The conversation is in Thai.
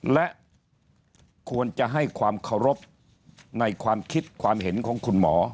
และควรจะให้ความเคารพในความคิดความเห็นของคุณหมอ